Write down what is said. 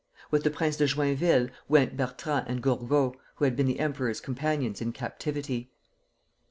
With the Prince de Joinville went Bertrand and Gourgaud, who had been the Emperor's companions in captivity.